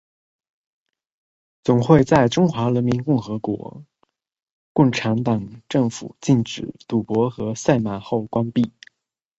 总会在中华人民共和国共产党政府禁止赌博和赛马后关闭。